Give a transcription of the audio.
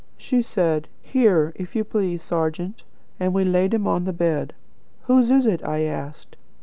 She said: 'Here, if you please, serjeant,' and we laid him on the bed. 'Whose is it?' I asked.